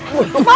mau bunuh saya